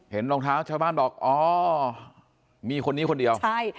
รองเท้าชาวบ้านบอกอ๋อมีคนนี้คนเดียวใช่